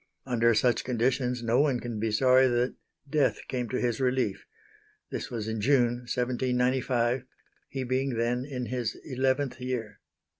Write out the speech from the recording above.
Under such conditions no one can be sorry that death came to his relief. This was in June, 1795 he being then in his eleventh year.